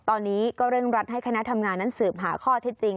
ตอนนี้ก็เร่งรัดให้คณะทำงานนั้นสืบหาข้อเท็จจริง